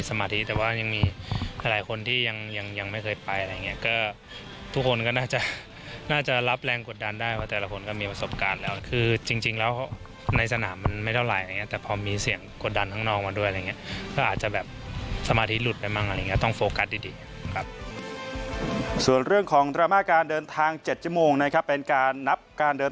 สมาธิหลุดไปบ้างต้องโฟกัสดี